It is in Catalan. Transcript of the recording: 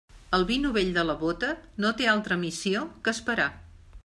El vi novell de la bóta no té altra missió que esperar.